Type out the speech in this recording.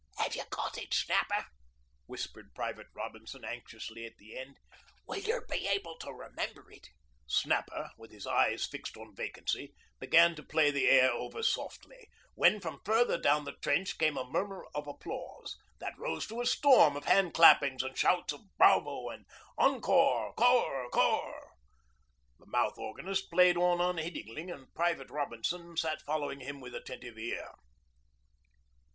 ''Ave you got it, Snapper?' whispered Private Robinson anxiously at the end. 'Will you be able to remember it?' Snapper, with his eyes fixed on vacancy, began to play the air over softly, when from further down the trench came a murmur of applause, that rose to a storm of hand clappings and shouts of 'Bravo!' and 'Encore 'core 'core!' The mouth organist played on unheedingly and Private Robinson sat following him with attentive ear.